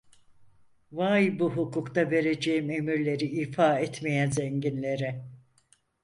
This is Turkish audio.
Vay bu hukukta vereceğim emirleri ifa etmeyen zenginlere.